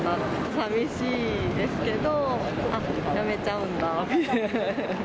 さみしいですけど、あっ、やめちゃうんだみたいな。